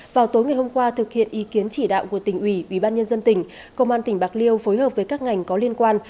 vào tối ngày hôm qua thực hiện ý kiến chỉ đạo của tỉnh ủy bí ban nhân dân tỉnh công an tỉnh bạc liêu phối hợp với các ngành có liên quan